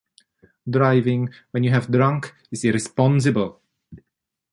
Driving when you have drunk is irresponsible.